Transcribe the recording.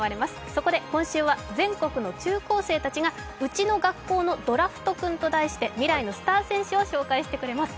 そこで今週は全国の中高生たちが「うちの学校のドラフトくん」と題して未来のスター選手を紹介してくれます。